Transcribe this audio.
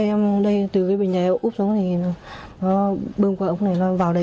ở đây từ cái bình này úp xuống thì nó bơm qua ốc này nó vào đây